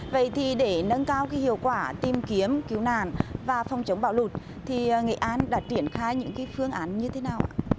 vậy thì để nâng cao hiệu quả tìm kiếm cứu nạn và phòng chống bão lụt thì nghệ an đã triển khai những phương án như thế nào ạ